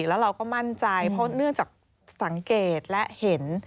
แล้วเราก็มั่นใจเพราะเนื่องจากสังเกตและเห็น